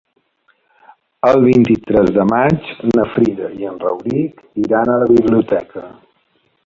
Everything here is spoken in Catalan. El vint-i-tres de maig na Frida i en Rauric iran a la biblioteca.